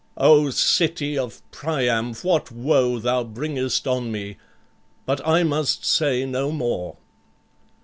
O city of Priam, what woe thou bringest on me! But I must say no more."